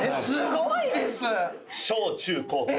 すごいです！